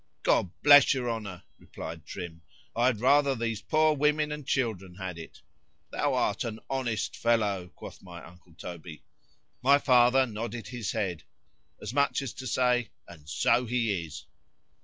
—God bless your Honour, replied Trim,——I had rather these poor women and children had it.——thou art an honest fellow, quoth my uncle Toby.——My father nodded his head, as much as to say—and so he is.